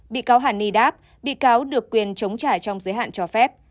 bị cáo hàn ni đáp bị cáo được quyền chống trả trong giới hạn cho phép